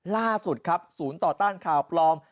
ล่าสุดครับศูนย์ต่อต้านข่าวปลอม